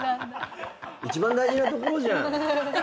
一番大事なところじゃん。